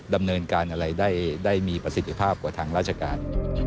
ดำเนินการอะไรได้มีประสิทธิภาพกว่าทางราชการ